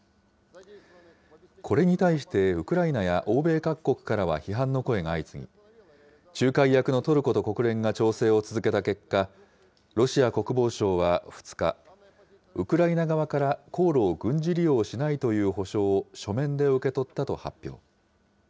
これに対してウクライナや欧米各国からは批判の声が相次ぎ、仲介役のトルコと国連が調整を続けた結果、ロシア国防省は２日、ウクライナ側から航路を軍事利用しないという保証を書面で受け取ったと発表。